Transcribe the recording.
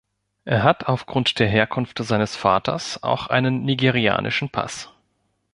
Er hat aufgrund der Herkunft seines Vaters auch einen nigerianischen Pass.